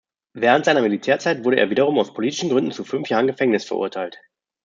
Während seiner Militärzeit wurde er wiederum aus politischen Gründen zu fünf Jahren Gefängnis verurteilt.